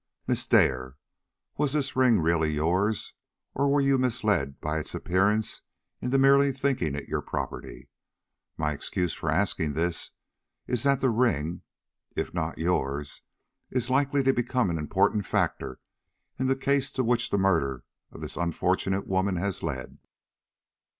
"Miss Dare, was this ring really yours, or were you misled by its appearance into merely thinking it your property? My excuse for asking this is that the ring, if not yours, is likely to become an important factor in the case to which the murder of this unfortunate woman has led."